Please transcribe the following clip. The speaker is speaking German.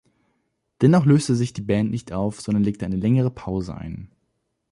Dennoch löste sich die Band nicht auf, sondern legte eine längere Pause ein.